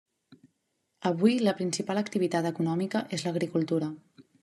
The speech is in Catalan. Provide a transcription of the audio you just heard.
Avui, la principal activitat econòmica és l'agricultura.